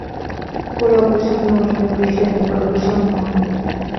Pola opresión non, señor Freixendo, pola opresión non.